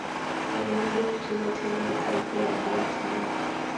Aliwahi kucheza timu ya taifa ya Vietnam.